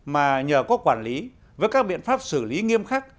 mà nhờ có quản lý với các biện pháp xử lý nghiêm khắc